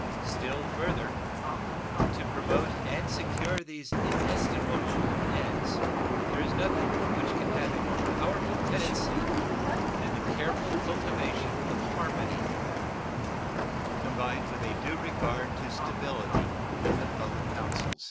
Still further to promote and secure these inestimable ends there is nothing which can have a more powerful tendency than the careful cultivation of harmony, combined with a due regard to stability, in the public councils.